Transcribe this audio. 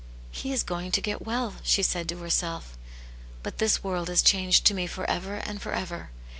" He is going to get well," she said to herself, " but this world is changed to me for ever and for ever.